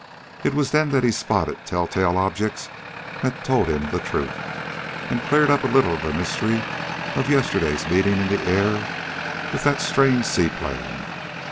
It was then that he spotted telltale objects that told him the truth, and cleared up a little of the mystery of yesterday's meeting in the air with that strange seaplane.